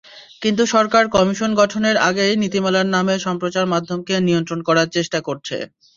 কিন্তু সরকার কমিশন গঠনের আগেই নীতিমালার নামে সম্প্রচার-মাধ্যমকে নিয়ন্ত্রণ করার চেষ্টা করছে।